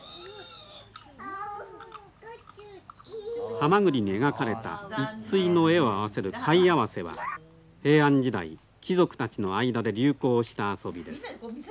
はまぐりに描かれた一対の絵を合わせる貝合わせは平安時代貴族たちの間で流行した遊びです。